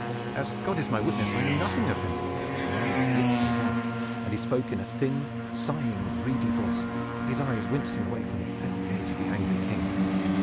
"As God is my witness I know nothing of him!" The man's lips were white, and he spoke in a thin, sighing, reedy voice, his eyes wincing away from the fell gaze of the angry King.